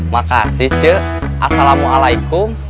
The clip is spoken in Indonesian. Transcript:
makasih c assalamualaikum